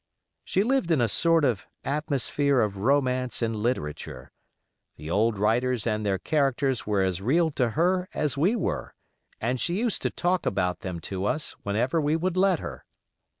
She lived in a sort of atmosphere of romance and literature; the old writers and their characters were as real to her as we were, and she used to talk about them to us whenever we would let her.